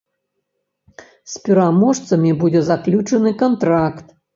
З пераможцамі будзе заключаны кантракт.